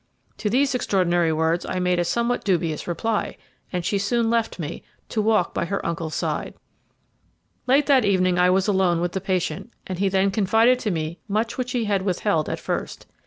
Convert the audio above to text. "To these extraordinary words I made a somewhat dubious reply, and she soon left me, to walk by her uncle's side. "Late that evening I was alone with the patient, and he then confided to me much which he had withheld at first.